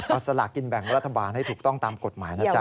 เอาสลากินแบ่งรัฐบาลให้ถูกต้องตามกฎหมายนะจ๊